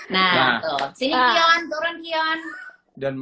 nah sini kion turun kion